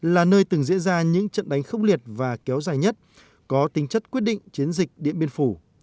là nơi từng diễn ra những trận đánh khốc liệt và kéo dài nhất có tính chất quyết định chiến dịch điện biên phủ